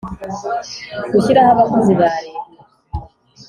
gushyiraho abakozi ba Leta